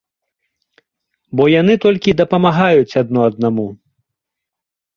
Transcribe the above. Бо яны толькі дапамагаюць адно аднаму.